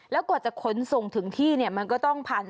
แล้วกว่าจะขนส่งถึงที่เนี่ยมันก็ต้องผ่าน